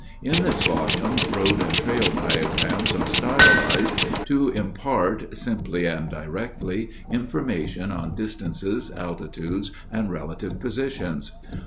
In this volume road and trail diagrams are stylized to impart, simply and directly, information on distances, altitudes, and relative positions.